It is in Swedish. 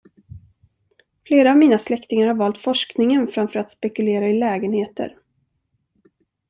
Flera av mina släktingar har valt forskningen framför att spekulera i lägenheter.